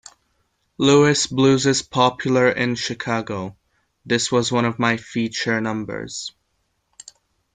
Louis Blues' popular in Chicago; this was one of my feature numbers.